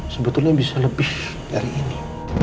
sebetulnya bisa lebih dari ini